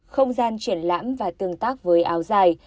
không gian triển lãm và tương tác với áo dài